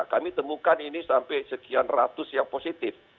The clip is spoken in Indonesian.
kami temukan ini sampai sekian ratus yang positif